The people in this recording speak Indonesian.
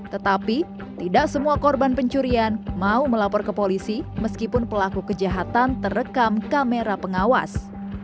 tetapi tidak semua korban pencurian mau melapor ke polisi meskipun pelaku kejahatan terekam kamera pengawas